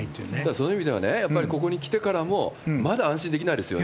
そういう意味では、やっぱりここに来てからも、いやいや、それはそうですよ。